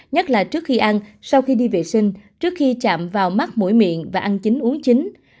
nhất là trước khi ăn sau khi đi vệ sinh trước khi chạm vào mắt mũi miệng và ăn chín uống chính